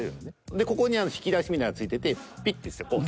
でここに引き出しみたいなのが付いててピッてしてこう。